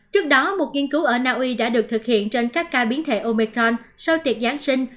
trước đó một nghiên cứu ở naui đã được thực hiện trên các ca biến thể omicron sau tiệc giáng sinh